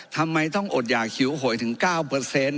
ทำไมต้องอดหยากหิวโหยถึง๙